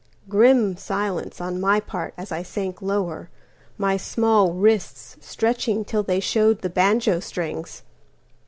Grim silence on my part as I sank lower, My small wrists stretching till they showed the banjo strings.